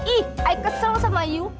ih i kesel sama ayu